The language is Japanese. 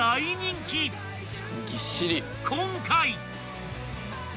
［今回］